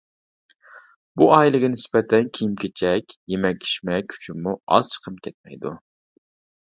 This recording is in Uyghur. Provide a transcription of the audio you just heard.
بۇ ئائىلىگە نىسبەتەن، كىيىم-كېچەك، يېمەك-ئىچمەك ئۈچۈنمۇ ئاز چىقىم كەتمەيدۇ.